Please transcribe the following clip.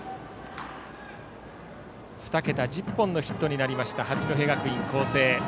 ２桁、１０本のヒットとなった八戸学院光星。